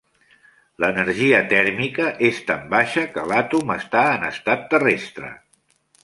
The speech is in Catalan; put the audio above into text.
L'energia tèrmica és tan baixa que l'àtom està en estat terrestre.